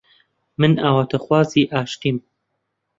من ئاواتخوازی ئاشتیم